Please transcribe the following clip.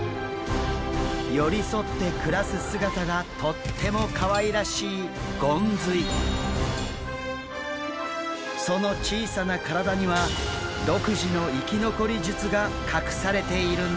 寄り添って暮らす姿がとってもかわいらしいその小さな体には独自の生き残り術が隠されているんです。